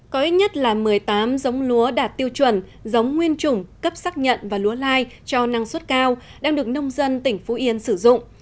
có ít nhất là một mươi tám giống lúa đạt tiêu chuẩn giống nguyên trùng cấp xác nhận và lúa lai cho năng suất cao đang được nông dân tỉnh phú yên sử dụng